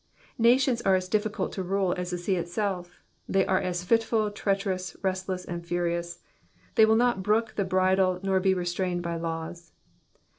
^^ Nations are as dimcult to rule as the sea itself, tliey are as fitful, treacherous, restless, and furious ; they will not brook the bridle nor be restrained by laws.